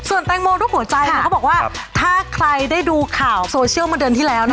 แตงโมรูปหัวใจเขาบอกว่าถ้าใครได้ดูข่าวโซเชียลมาเดือนที่แล้ว